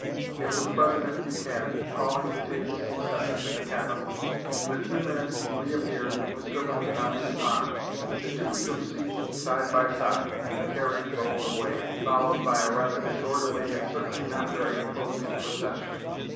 It was President Buchanan, calling to take his successor to the Capitol. In a few minutes he reappeared, with Mr. Lincoln on his arm; the two took seats side by side, and the carriage rolled away, followed by a rather disorderly and certainly not very imposing procession.